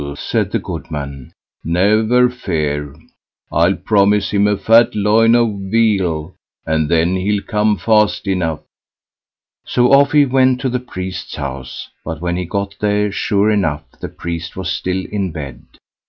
said the goodman, "never fear; I'll promise him a fat loin of veal, and then he'll come fast enough." So off he went to the priest's house; but when he got there, sure enough, the priest was still in bed.